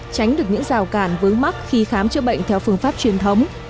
tránh được những rào cản vớ mắc khi khám chữa bệnh theo phương pháp truyền thống